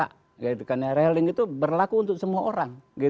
karena rehaling itu berlaku untuk semua orang